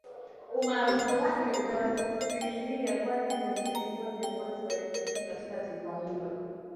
umaarufu wake utasalia kwani atazaidi kuwa kiongozi wa kidini katika taifa hilo